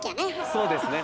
そうですね。